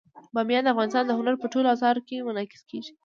بامیان د افغانستان د هنر په ټولو اثارو کې منعکس کېږي.